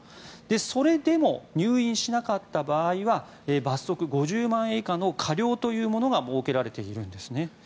それでも入院しなかった場合は罰則５０万円以下の過料というものが設けられているんですね。